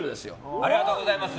ありがとうございます。